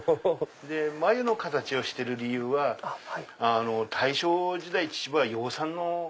繭の形をしてる理由は大正時代秩父は養蚕の。